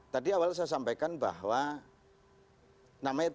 tadi awalnya saya sampaikan bahwa namanya tim